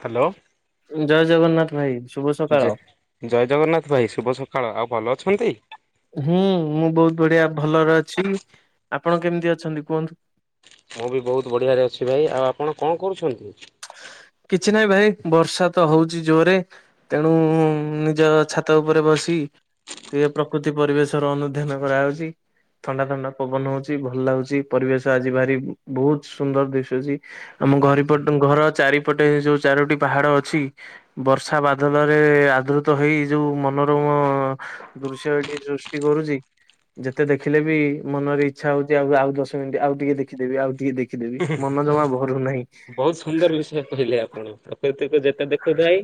Hello ଜୟ ଜଗନ୍ନାଥ ଭାଇ। ଶୁଭ ସକାଳ। ଜ ଜୟ ଜଗନ୍ନାଥ ଭାଇ। ଶୁଭ ସକାଳ। ଆଉ ଭଲ ଅଛନ୍ତି? ହୁଁ ମୁଁ ବହୁତ ବଢିଆ ଭଲରେ ଅଛି। ଆପଣ କେମିତି ଅଛନ୍ତି କୁହନ୍ତୁ? ମୁଁ ବି ବହୁତ ବଢ଼ିଆରେ ଅଛି। ଭାଇ ଆଉ ଆପଣ କଣ କରୁଛନ୍ତି? କିଛି ନାହିଁ ଭାଇ ବର୍ଷା ତ ହଉଛି ଜୋରେ। ତେଣୁ-ଉ-ଉ-ଉ ନିଜ ଛାତ ଉପରେ ବସି ଟିକେ ପ୍ରକୃତି ପରିବେଶ ର ଅନୁଧ୍ୟାନ କରାହେଉଛି। ଥଣ୍ଡା ଥଣ୍ଡା ପବନ ହଉଛି ଭଲ ଲାଗୁଛି ପରିବେଶ ଆଜି ଭାରି ବହୁତ ସୁନ୍ଦର ଦିଶୁଛି। ଆମ ଘର ଆଚ୍ଛା। ପଟ ଘର ଚାରିପଟେ ଯୋଉ ଚାରୋଟି ପାହାଡ ଅଛି ବର୍ଷା ବାଦଲରେ ଆଦୃତ ହେଇ ଯୋଉ ମନ ମ-ଅ-ଅ ଦୃଶ୍ୟ ଏଠି ସୃଷ୍ଟି କରୁଛି ଯେତେ ଦେଖିଲେ ବି ମନରେ ଇଚ୍ଛା ହଉଛି ଆଉ ଆଉ ଦଶ ମିନିଟ ଆଉ ଟିକେ ଦେଖିଦେବି ଆଉ ଟିକେ ଦେଖି ଦେଖିଦେବି ମନ ଜମା ଭରୁ ନାହିଁ। ଦେଖୁଥିଲେ ଆପଣ ପ୍ରକୃତିକୁ ଯେତେ ଦେଖୁଥାଏ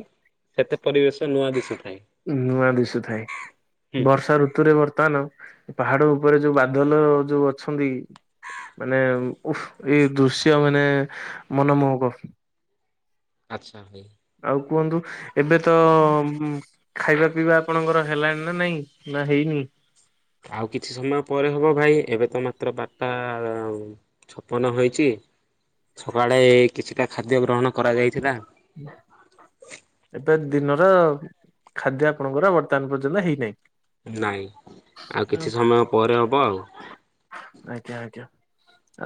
ସେତେ ପରିବେଶ ନୂଆ ଦିଶୁ ନୂଆ ଦିଶୁଥାଏ ହୁଁ। ବର୍ଷା ଋତୁରେ ବର୍ତ୍ତମାନ ପାହାଡ ଉପରେ ଯୋଉ ବାଦଲ ଯୋଉ ଅଛନ୍ତି ମାନେ ଉହ୍ ଏଇ ଦୃଶ୍ୟ ମାନେ ମନମୋହକ। ଆଚ୍ଛା ଭାଇ। ଆଉ କୁହନ୍ତୁ ଏବେ ତ ଖାଇବା ପିଇବା ଆପଣଙ୍କର ହେଲାଣି ନା ନାଇଁ। ନା ହେଇନି। ଆଉ କିଛି ସମୟ ପରେ ହବ ଭାଇ ଏବେ ତ ମାତ୍ର ବାରଟା ଛପନ ହୋଇଛି। ସକାଳେ କିଛିଟା ଖାଦ୍ୟ ଗ୍ରହଣ। କରାଯାଇଥିଲା। ଏବେ ଦିନର ଖାଦ୍ୟ ଆପଣଙ୍କର ବର୍ତ୍ତମାନ ପର୍ଯ୍ୟନ୍ତ ହେଇନାହିଁ। ନାଇଁ ଆଉ କିଛି ସମୟ ପରେ ହବ ଆଉ। ଆଜ୍ଞା ଆଜ୍ଞା।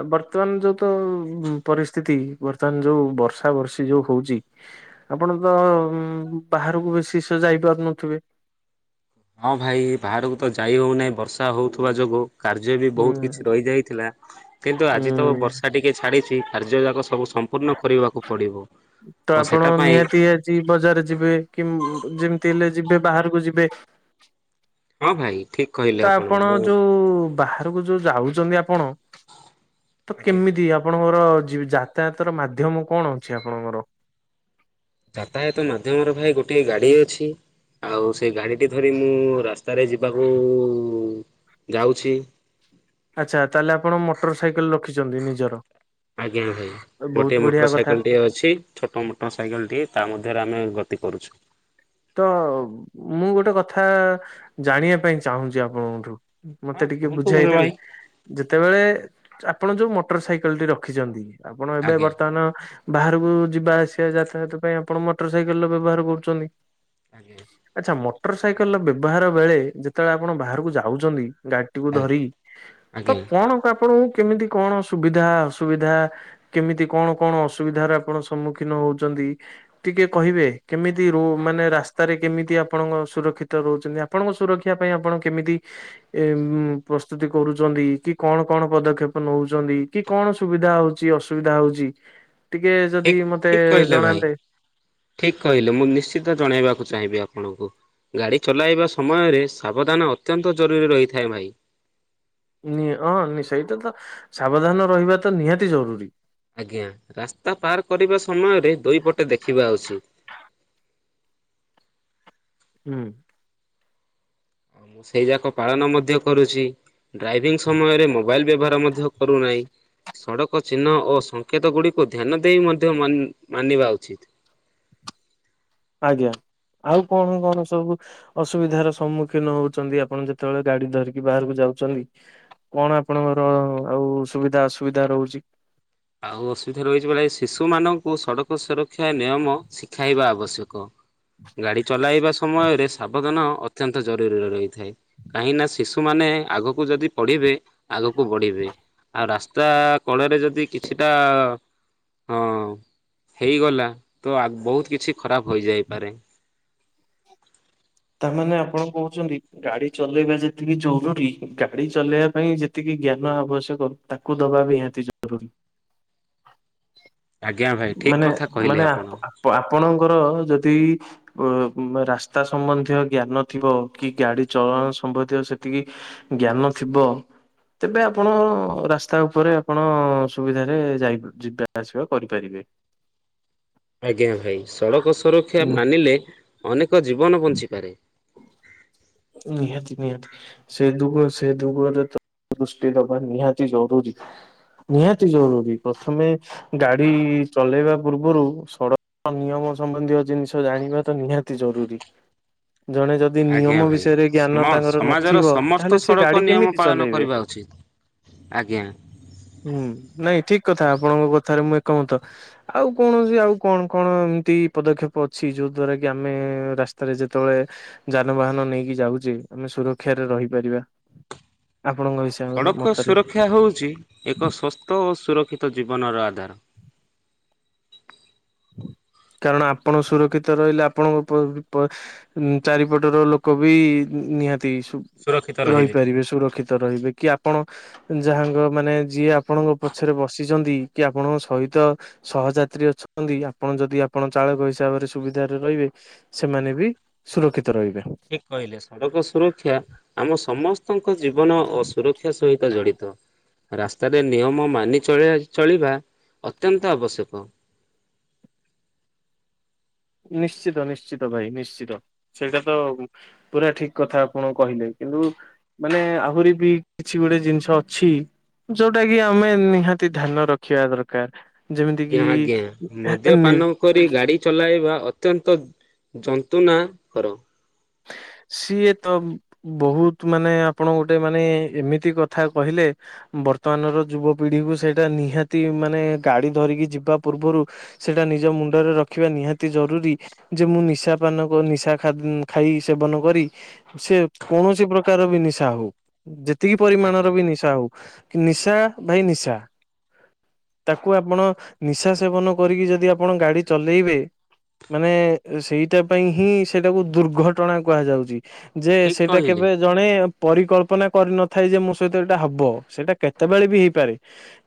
ଆଉ ବର୍ତ୍ତମାନ ଯୋଉ ତ ପରିସ୍ଥିତି ବର୍ତ୍ତମାନ ଯୋଉ ବର୍ଷା ବର୍ଷୀ ଯୋଉ ହଉଛି। ଆପଣ ତ ବାହାରକୁ ବେଶୀ ସେ ଯାଇ ପାରୁନଥିବେ। ହଁ ଭାଇ ବାହାରକୁ ତ ଯାଇ ହଉନାହିଁ ବର୍ଷା ହଉଥିବା ଯୋଗୁ। କାର୍ଯ୍ୟ ବି ହୁଁ ବହୁତ କିଛି ରହିଯାଇଥିଲା କିନ୍ତୁ ଆଜି ତ ହୁଁ ବର୍ଷା ଟିକେ ଛାଡ଼ିଛି। କାର୍ଯ୍ୟ ଯାକ ସବୁ ସମ୍ପୂର୍ଣ୍ଣ କରିବାକୁ ପଡ଼ିବ। ତ ଆପଣ ନିହାତି ଆଜି ବଜାର ଯିବେ କିମ ଯେମିତି ହେଲେ ଯିବେ। ବାହାରକୁ ଯିବେ। ହଁ ଭାଇ। ଠିକ କହିଲେ ତ ଆପଣ ମୁଁ ଯୋଉ ବାହ ରକୁ ଯୋଉ ଯାଉଛନ୍ତି ଆପଣ ତ ଆଜ୍ଞା କେମିତି ଆପଣ। ମୋର ଜି ଯାତାୟାତର ମାଧ୍ୟମ କଣ ଅଛି ଆପଣଙ୍କର। ଟିକେ ଗାଡି ଅଛି ଆଉ ସେ ଗାଡିଟି ଧରି ମୁଁ ରାସ୍ତାରେ ଯିବାକୁ। ଯାଉଛି। ଆଚ୍ଛା ତାହେଲେ ଆପଣ ମଟର ସାଇକେଲ ରଖିଛନ୍ତି ନିଜର। ଆଜ୍ଞା ଭାଇ ବହୁତ ଗୋଟେ ବଢିଆ ମୋଟର କଥା। ସାଇକେଲ ଟିଏ ଅଛି ଛୋଟ ମୋଟର ସାଇକେଲ ଟିଏ ତା ମଧ୍ୟରେ ଆମେ ଗ ତି କରୁଛୁ। ତ ମୁଁ ଗୋଟେ କଥା ଜାଣିବା ପାଇଁ ଚାହୁଁଛି ଆପଣଙ୍କଠୁ। ହଁ ମତେ ଟିକେ କୁହନ୍ତୁ ବୁଝାଇଦେବେ ଭାଇ ଯେତେବେଳେ। ଆପଣ ଯୋଉ ମୋଟର ସାଇକେଲ ଟି ରଖିଛନ୍ତି ଆପଣ ଏବେ ଆଜ୍ଞା ବର୍ତ୍ତମାନ। ବାହାରକୁ ଯିବା ଆସିବା ଯାତାୟାତ ପାଇଁ ଆପଣ ମୋଟର ସାଇକେଲ ର ବ୍ୟବହାର କରୁଛନ୍ତି। ଆଜ୍ଞା ଆଚ୍ଛା ମୋଟର ସାଇକେଲ ର ବ୍ୟବହାର ବେଳେ ଯେତେବେଳେ ଆପଣ ବାହାରକୁ ଯାଉଛନ୍ତି। ଗାଡି ଟିକୁୁ ଧରି ତ ଆଜ୍ଞା। କଣ ଆପଣଙ୍କୁ। କେମିତି କଣ ସୁବିଧା ଅସୁବିଧା କେମିତି କଣ କଣ ଅସୁବିଧାର ଆପଣ ସମ୍ମୁଖୀନ ହଉଛନ୍ତି। ଟିକେ କହିବେ କେମିତି ର ମାନେ। ରାସ୍ତାରେ କେମିତି ଆପଣଙ୍କ ସୁରକ୍ଷିତ ରହୁଛନ୍ତି ଆପଣଙ୍କ ସୁରକ୍ଷା ପାଇଁ ଆପଣ କେମିତି ଏମ। ପ୍ରସ୍ତୁତି କରୁଛନ୍ତି କି କଣ କଣ ପଦକ୍ଷେପ ନଉଛନ୍ତି କି କଣ ସୁବିଧା ହଉଛି ଅସୁବିଧା ହଉଛି। ଚି। ଠିକ ଠିକ କହିଲେ ଭାଇ ଠିକ କହିଲେ ମୁଁ ନିଶ୍ଚିତ ଜଣେଇବାକୁ। ମୁଁ ଚାହିଁବି ଆପଣଙ୍କୁ। ଗାଡ଼ି ଚଲାଇବା ସମୟରେ ସାବଧାନ ଅତ୍ୟନ୍ତ ଜରୁରୀ ରହିଥାଏ ଭାଇ। ନି ହଁ ନି ସେଇଟା ତ ସାବଧାନ ରହିବା ତ ନିହାତି ଜରୁରୀ। ଆଜ୍ଞା ରାସ୍ତା ପାର କରିବା ସମୟରେ ଦୁଇ ପଟେ ଦେଖିବା ଉଚିତ୍। ହୁଁ। ଆଉ ମୁଁ ସେଇ ଯାକ ପାଳନ ମଧ୍ୟ କରୁଛି। ଡ୍ରାଇଭିଂ ସମୟରେ ମୋବାଇଲ ବ୍ୟବହାର ମଧ୍ୟ କରୁନାହିଁ। ସଡ଼କ ଚିହ୍ନ ଓ ସଂଙ୍କେତ ଗୁଡିକୁ ଧ୍ୟାନ ଦେଇ ମଧ୍ୟ ମାନି ମାନିବା ଉଚିତ। ଆଜ୍ଞା। ଆଉ କଣ କଣ ସବୁ ଅସୁବିଧାର ସମ୍ମୁଖୀନ ହଉଛନ୍ତି ଆପଣ ଯେତେବେଳେ ଗାଡି ଧରିକି ବାହାରକୁ ଯାଉ। କଣ ଆପଣଙ୍କର ଆଉ ସୁବିଧା ଅସୁବିଧା ରହୁଛି। ଆଉ ଅସୁବିଧା ରହିଛି ଭଳି ଶିଶୁ ମାନଙ୍କୁ ସଡକ ସୁର ଶକ୍ଷା ନିୟମ ଶିଖାଇବା ଆବଶ୍ୟକ ଗାଡି ଚଲାଇବା। ସମୟରେ ସାବଧାନ ଅତ୍ୟନ୍ତ ଜରୁରୀରେ ରହିଥାଏ। କାହିଁକି ନା ଶିଶୁମାନେ ଆଗକୁ ଯଦି ପଢିବେ ଆଗକୁ ବଢିବେ। ଆଉ ରାସ୍ତା କଡ଼ରେ ଯଦି କିଛିଟା ହଁ ହେଇଗଲା ତ ବହୁତ କିଛି ଖରାପ ହୋଇଯାଇପାରେ। [inaudible] ତା ମାନେ ଆପଣ କହୁଛନ୍ତି ଗାଡି ଚଲେଇବା ଯେତିକି ଜରୁରୀ ଗାଡି ଚଲେଇବା ପାଇଁ ଯେତିକି ଜ୍ଞାନ ଆବଶ୍ୟକ ତାକୁ ଦବା ବି ନିହାତି ଜରୁରୀ। ଆଜ୍ଞା ଭାଇ ଠିକ୍ ମାନେ କଥା କହିଲେ ମାନେ ଆପଣ। ଆପ ଆପଣଙ୍କର ଯଦି ଅ ମ୍ ରାସ୍ତା ସମ୍ବନ୍ଧୀୟ ଜ୍ଞାନ ଥିବ କି ଗାଡି ଚଳନ ସମ୍ବନ୍ଧୀୟ ସେତିକି ଜ୍ଞାନ ଥିବ। ତେବେ ଆପଣ ରାସ୍ତା ଉପରେ ଆପଣ ସୁବିଧାରେ ଯାଇ ଯିବା ଆସିବା କରିପାରିବେ। [inaudible] ଆଜ୍ଞା ଭାଇ ସଡ଼କ ସୁରକ୍ଷା ହୁଁ ମାନିଲେ ଅନେକ ଜୀବନ ବଞ୍ଚିପାରେ। ନିହାତି ନିହାତି ସେ ଦୁଗ ସେ ଦୁଗରେ ତ ଦୃଷ୍ଟି ଦବା ନିହାତି ଜରୁରି ନିହାତି ଜରୁରୀ ପ୍ରଥମେ ଗାଡି ଚଲେଇବା ପୂର୍ବରୁ ସଡ଼କ ନିୟମ ସମ୍ବନ୍ଧୀୟ ଜିନିଷ ଜାଣିବା ତ ନିହାତି ଜରୁରୀ ଜଣେ ଯଦି ଆଜ୍ଞା ନିୟମ ବିଷୟ ଭାଇ ଜ୍ଞାନ ସମ ତାଙ୍କର ସମାଜର ନଥିବ ସମସ୍ତ ତାହେଲେ ସେ ସଡ଼କ ଗାଡି ନିୟମ କେମିତି ପାଳନ ଚଲେଇବେ କରିବା ଉଚିତ। ଆଜ୍ଞା। ହୁଁ। ନାଇଁ ଠିକ କଥା ଆପଣଙ୍କ କଥାରେ ମୁଁ ଏକମତ ଆଉ କୌଣସି ଆଉ କଣ କଣ ଏମିତି ପଦକ୍ଷେପ ଅଛି ଯୋଉ ଦ୍ଵାରା କି ଆମେ ରାସ୍ତାରେ ଯେତେବେଳେ ଯାନବାହାନ ନେଇକି ଯାଉଛେ ଆମେ ସୁରକ୍ଷାରେ ରହିପାରିବା। ଆପଣଙ୍କ ହିସାବରେ ସଡ଼କ ମତରେ ସୁରକ୍ଷା ହେଉଛି ଏକ ସୁସ୍ଥ ଓ ସୁରକ୍ଷିତ ଜୀବନର ଆଦି ତାର [inaudible] [inaudible] କାରଣ ଆପଣ ସୁରକ୍ଷିତ ରହିଲେ ଆପଣଙ୍କ ପ ପ ଅ ଚାରିପଟର ଲୋକ ବି ନିହାତି ସୁ ସୁରକ୍ଷିତ ରହିବେ। ରହିପାରିବେ ସୁରକ୍ଷିତ ରହିବେ କି ଆପ୍ ଆପଣ ଯାହାଙ୍କ ମାନେ ଯିଏ ଆପଣଙ୍କ ପଛରେ ବସିଛନ୍ତି କି ଆପଣଙ୍କ ସହିତ ସ ହ ଯାତ୍ରୀ ଅ ଆପଣ ଯଦି ଆପଣ ଚାଳକ ହିସାବରେ ସୁବିଧାରେ ରହିବେ ସେମାନେ ବି ସୁରକ୍ଷିତ ରହିବେ। ଠିକ କହିଲେ ସଡ଼କ ସୁରକ୍ଷା ଆମ ସମସ୍ତଙ୍କ ଜୀବନ ଓ ସୁରକ୍ଷା ସହିତ ଜଡି ତ ରାସ୍ତାରେ ନିୟମ ମାନି ଚଳି ଚଳିବା ଅତ୍ୟନ୍ତ ଆବଶ୍ୟକ। [inaudible] ନିଶ୍ଚିତ ନିଶ୍ଚିତ ଭାଇ ନିଶ୍ଚିତ ସେଇଟା ତ ପୁରା ଠିକ କଥା ଆପଣ କହିଲେ। କିନ୍ତୁ ମାନେ ଆହୁରି ବି କିଛି ଗୋଟେ ଜିନିଷ ଅଛି। ଯୋଉଟା କି ଆମେ ନିହାତି ଧ୍ୟାନ ରଖିବା ଦରକାର। ଯେମିତି ଆଞା କିି ଆଜ୍ଞା ନି ମଦ୍ୟପାନ କରି ଗାଡି ଚଲେଇବା ଅତ୍ୟ ଅତ୍ୟନ୍ତ ଯନ୍ତ୍ରଣା କର। ହେଁ। ସିଏ ତ ବହୁତ ମାନେ ଆପଣ ଗୋଟେ ମାନେ ଏମିତି କଥା କହିଲେ ବ ବର୍ତ୍ତମାନର ଯୁବପିଢ଼ିକୁ ସେଇଟା ନିହାତି ମାନେ ଗାଡ଼ି ଧରିକି ଯିବା ପୂର୍ବରୁ ସେଇଟା ନିଜ ମୁଣ୍ଡରେ ରଖିବା ନିହାତି ଜରୁରୀ ଯେ ମୁଁ ନିଶା ପାନ କ ନିଶା ଖା ଖାଇ ସେବନ କରି ସେ କୌଣସି ପ୍ରକାର ବି ନିଶା ହଉ ଯେ ଏତିକି ପରିମାଣର ଆଜ୍ଞା ବି ନିଶା ହଉ କିନ୍ତି ନିଶା ଭାଇ ନିଶା। ତାକୁ ଆପଣ ନିଶା ସେବନ କରିକି ଯଦି ଆପଣ ଗାଡି ଚଲେଇବେ। ମାନେ ସେଇଟା ପାଇଁ ହିଁ ସେଇଟାକୁ ଦୁର୍ଘଟଣା କୁହାଯାଉଛି ଯେ ଠିକ୍ ସେଇଟା କହିଲେ କେବେ ଜଣେ ପରିକଳ୍ପନା କରିନଥାଏ ଯେ ମୋ ସହିତ ଏଇଟା ହବ? ସେଇଟା କେତେବେଳେ ବି ହେଇପାରେ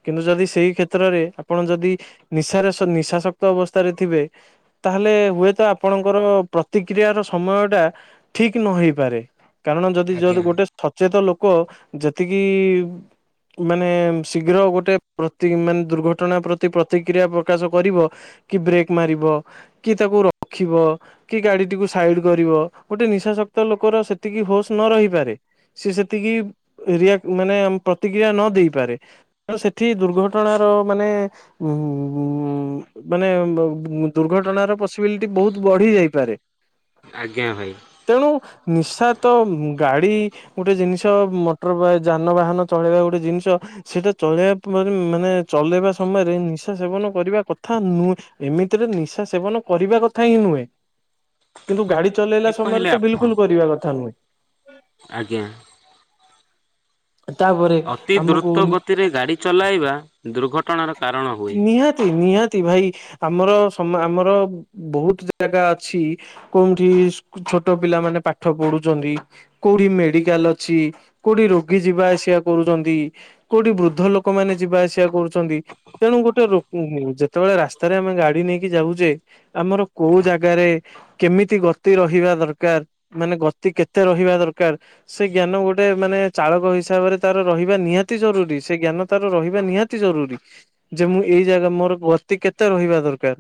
କିନ୍ତୁ ଯଦି ସେଇ କ୍ଷେତ୍ରରେ ଆପଣ ଯଦି ନିଶାରେ ନିଶାସକ୍ତ ଅବସ୍ଥାରେ ଥିବେ ତାହେଲେ ହୁ ଆପଣଙ୍କର ପ୍ରତିକ୍ରିୟାର ସମୟ ଟା ଠିକ ନ ହେଇପାରେ। କାରଣ ଯଦି ଯ ଆଜ୍ଞା ଗୋଟେ ସଚେତ ଲୋକ କ ଯେତିକି ମାନେ ଶୀଘ୍ର ଗୋଟେ ପ୍ରତି ମାନେ ଦୁର୍ଘଟଣା ପ୍ରତି ପ୍ରତିକ୍ରିୟା ପ୍ରକାଶ କରିବ। କି ବ୍ରେକ୍ ମାରିବ? କି ତାକୁ ରଖିବ? କି ଗାଡିଟିକୁ ସାଇଡ କରିବ? ଗୋଟେ ନିଶା ଶକ୍ତ ଲୋକର ସେତିକି ହୋସ୍ ନ ରହିପାରେ! ସିଏ ସେତିକି ରିଆକ୍ଟ ମାନେ ପ୍ରତିକ୍ରିୟା ନ ଦେଇେପାରେ। ତ ସେଠି ଦୁର୍ଘଟଣାର ମାନେ ଉମ୍ ମାନେ ଆ ବ ଦୁର୍ଘଟଣାର ପସିବିଲିଟି ବୋହୁତ ବଢି ଯାଇପାରେ? ଆଜ୍ଞା ଭାଇ ତେଣୁ ନିଶା ତ ଗାଡ଼ି ଗୋଟେ ଜିନିଷ ମଟର ଯାନବାହାନ ଚଳେଇବା ଗୋଟେ ଜିନିଷ ସେଇଟା ଚଳେଇବା ମାନେ ଚଲେଇବା ସମୟରେ ନିଶା ସେବନ କରିବା କଥା ନୁ ଏମିତିରେ ନିଶା ସେବନ କରି କରିବା କଥା ହିଁ ନୁହେଁ। କିନ୍ତୁ ଗାଡି ଚଲେଇଲା ଠିକ୍ ସମୟରେ କହିଲେ ତ ଆପଣ ବିଲକୁଲ କରିବା କଥା ନୁହେଁ। ଆଜ୍ଞା। ତାପରେ ଅତି ଆମକୁ ଦ୍ରୁତ ଗତିରେ ଗାଡ଼ି ଚଲାଇବା ଦୁର୍ଘଟଣାର କାରଣ ହୁଏ। ନିହାତି ନିହାତି। [unintelligible] ଭାଇ ଆମର ସମ ଆମର ବୋହୁତ ଜାଗା ଅଛି କୋଉଠି ଛୋଟ ପିଲାମାନେ ପାଠ ପଢୁଛନ୍ତି। କୋଉଠି ମେଡିକାଲ ଅଛି। କୋଉଠି ର ଯିବା ଆସିବା କରୁଛନ୍ତି? କୋଉଠି ବୃଦ୍ଧ ଲୋକମାନେ ଯିବା ଆସିବା କରୁଛନ୍ତି? ତେଣୁ ଗୋଟେ ହୁଁ ହୁଁ ଯେତେବେଳେ ରାସ୍ତାରେ ଆମେ ଗାଡି ନେଇକି ଯାଉଛେ, ଆମର କୋଉ ଜାଗାରେ କେମିତି ଗତି ରହିବା ଦରକାର। ମାନେ ଗତି କେତେ ରହିବା ଦରକାର? ସେ ଜ୍ଞାନ ଗୋଟେ ମାନେ ଚାଳକ ହିସାବରେ ତାର ରହିବା ନିହାତି ଜରୁରୀ। ସେ ଜ୍ଞାନ ତାର ରହିବା ନିହାତି ଜରୁରୀ। ଯେ ମୁଁ ଏଇ ଜାଗା ମୋର ଗତି କେତେ ରହିବା ଦରକାର?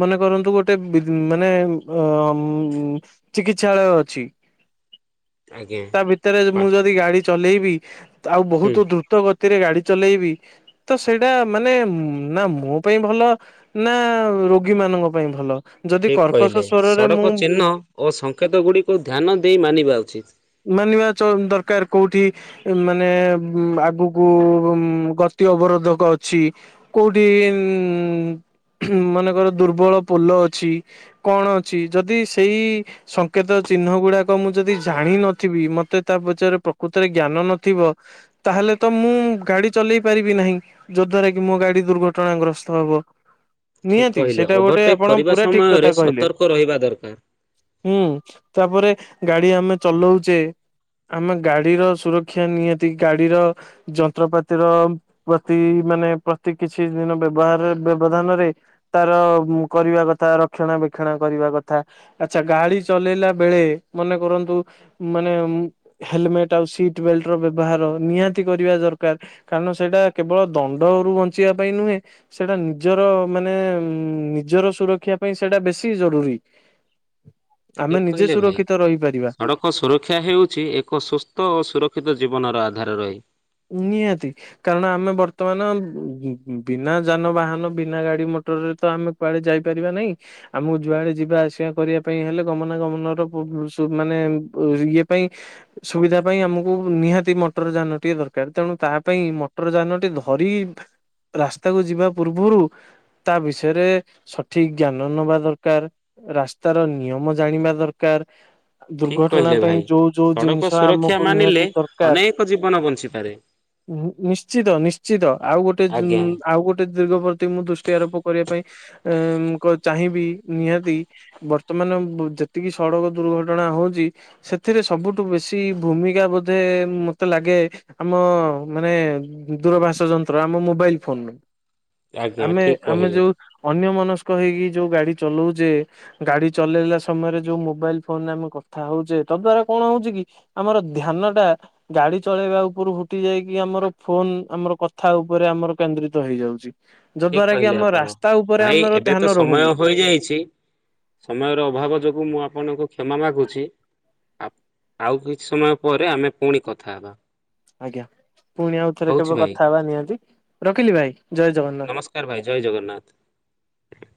ମନେ କରନ୍ତୁ ଗୋଟେ ବ ମାନେ ଆ ମ୍ ଚିକିତ୍ସାଳୟ ଅଛି? ହ ଆଜ୍ଞା ତା ଭିତରେ ପା ମୁଁ ଯଦି ଗାଡି ଚଲେଇବି, ଆଉ ହୁଁ ବହୁତ ଦ୍ରୁତ ଗତିରେ ଗାଡି ଚଲେଇବି ତ ସେଇଟା ମାନେ ନା ମୋ ପାଇଁ ଭଲ ନା ରୋଗୀ ମାନ ମାନଙ୍କ ପାଇଁ ଭଲ ଯଦି ଠିକ କର୍କଶ କହିଲେ। ସ୍ଵରରେ ସଡ଼କ ମୁଁ ଚିହ୍ନ ଓ ସଂଙ୍କେତ ଗୁଡିକୁ ଧ୍ୟାନ ଦେଇ ମାନିବା ଉଚିତ। ମାନିବା ଦରକାର କୋଉ କୋଉଠି ମାନେ ଆଗକୁ ଗତି ଅବରୋଧକ ଅଛି। କୋଉଠି ଉମ୍ ଉମ୍ ମନେକର ଦୁର୍ବଳ ପୋଲ ଅଛି? କଣ ଅଛି ଯଦି ସେଇ ସଙ୍କେତ ଚିହ୍ନ ଗୁଡାକ ମୁଁ ଯଦି ଜାଣିନଥିବି! ମତେ ତା ପଛରେ [unintelligible] କୃତରେ ଜ୍ଞାନ ନଥିବ ତାହେଲେ ତ ମୁଁ ଗାଡି ଚଲେଇ ପାରିବି ନାହିଁ। ଯୋ ଦ୍ଵାରା କି ମୋ ଗାଡି ଦୁର୍ଘଟଣାଗ୍ରସ୍ତ ହବ? ଠିକ୍ ନିହାତି କହିଲେ ସେଇଟା ଗୋଟେ ଓଭରଟେକ୍ ଆପଣ କରିବା ପୁରା ଠିକ ସମୟରେ କଥା କହିଲେ। ସତର୍କ ରହିବା ଦରକାର ହୁଁ ତାପରେ ଗାଡି ଆମେ ଚଲଉଛେ। ଆମେ ଗାଡିର ସୁରକ୍ଷା ନିହାତି ଗାଡିର ଯନ୍ତ୍ରପାତିର ପ୍ରତି ମାନେ କିଛି ଦିନ ବ୍ୟବହାର ବ୍ୟବଧାନରେ ତାର କରିବା କଥା ରକ୍ଷଣା ବକ୍ଷଣା କରିବା। କଥା। ଆଚ୍ଛା ଗାଡି ଚଲେଇଲା ବେଳେ ମନେ କରନ୍ତୁ ମାନେ ହେଲମେଟ ଆଉ ସିଟ ବେଲ୍ଟ ର ବ୍ୟବହାର ନିହାତି କରିବା ଦରକାର। କାରଣ ସେଇଟା କେବଳ ଦଣ୍ଡ ବଞ୍ଚିବା ପାଇଁ ନୁହେଁ। ସେଟା ନିଜର ମାନେ ନିଜର ସୁରକ୍ଷା ପାଇଁ ସେଟା ବେଶୀ ଜରୁରୀ। ଆମେ ଠିକ୍ ନିଜେ କହିଲେ ଭାଇ। ସୁରକ୍ଷିତ ରହିପାରିବା। ସଡ଼କ ସୁରକ୍ଷା ହେଉଛି ଏକ ସୁସ୍ଥ ସ୍ଥ ଓ ସୁରକ୍ଷିତ ଜୀବନର ଆଧାର [inaudible] ରହି। ନିହାତି। କାରଣ ଆମେ ବର୍ତ୍ତମାନ ବିନା ଯାନବାହାନ ବିନା ଗାଡି ମଟର ଟରରେ ତ ଆମେ କୁଆଡେ ଯାଇପାରିବା ନାହିଁ? ଆମକୁ ଯୁଆଡେ ଯିବା ଆସିବା କରିବା ପାଇଁ ହେଲେ ଗମନା ଗମନ ର ମାନେ ଇଏ ପାଇଁ ସୁବିଧା ପାଇଁ ଆମକୁ ନିହାତି ମଟର ଯାନଟିଏ ଦରକାର। ଦରକାର ତେଣୁ ତା ପାଇଁ ମଟର ଯାନଟି ଧରି ରାସ୍ତାକୁ ଯିବା ପୂର୍ବରୁ ତା ବିଷୟରେ ସଠିକ ଜ୍ଞାନ ନବା ଦରକାର। ରାସ୍ତାର ନିୟମ ଜାଣିବା ଦରକାର। ଠିକ୍ ଦୁର୍ଘଟଣା କହିଲେ ପାଇଁ ଭାଇ। ଯୋଉ ଯୋଉ ସଡ଼କ ଜିନିଷ ସୁରକ୍ଷା ଆମକୁ ନିହାତି ଦରକାର ଆରେ ନି ନିଶ୍ଚିତ ନିଶ୍ଚିତ ଆଉ ଗୋଟେ ଜି ଆଜ୍ଞା ଆଉ ଗୋଟେ ଦିଗ ପ୍ରତି ମୁଁ ଦୃଷ୍ଟି ଆରୋପ କରିବା ପାଇଁ ଏ ଙ୍କ ଚାହିଁବି ନିହାତି ବର୍ତ୍ତମାନ ଯେତିକି ସଡ଼କ ଦୁର୍ଘଟଣା ହଉଚି ସେଥିରେ ସବୁଠୁ ବେଶୀ ଭୂମିକା ବୋଧେ ମତେ ଲାଗେ ଆମ ମାନେ ଦୂରଭାଷ ଯନ୍ତ୍ର ଆମ ମୋବାଇଲ ଫୋନ ରୁ ଆଜ୍ଞା ଆମେ ଠିକ୍ ଆମେ କହିଲେ ଯୋଉ ଅନ୍ୟ ମନସ୍କ ସ୍କ ହେଇକି ଯୋଉ ଗାଡ଼ି ଚଲଉଛେ ଗାଡ଼ି ଚଲେଇଲା ସମୟରେ ଯୋଉ ମୋବାଇଲ ଫୋନରେ ଆମେ କଥା ହଉଛେ। ତଦ୍ଵାରା କଣ ହଉଚି କି ଆମର ଧ୍ୟାନ ଟା ଗାଡ଼ି ଚଳେଇବାକୁ ରୁ ହୁଟି ଯାଇକି ଆମର ଫୋନ ଆମର କଥା ଉପରେ ଆମର କେନ୍ଦ୍ରିତ ହେଇଯାଉଚି। ଠିକ କହିଲେ ଆପଣ ଭାଇ ଆମର ଏବେ ଧ୍ୟାନ ତ ସମୟ ରହୁନି। ହୋଇଯାଇଚି। ସମୟର ଅଭାବ ଯୋଗୁ ମୁଁ ଆପଣଙ୍କୁ କ୍ଷମା ମାଗୁଚି ଆ ଆଉ କିଛି ସମୟ ପରେ ଆମେ ପୁଣି କଥା ହେବା। ଆଜ୍ଞା ପୁଣି ଆଉ ଥରେ କେବେ ରହୁଛି ଭାଇ କଥା ହେବା ନିହାତି ରଖିଲି ଭାଇ ଜୟ ଜଗନ୍ନାଥ। ନମସ୍କାର ଭାଇ ଜୟ ଜଗନ୍ନାଥ।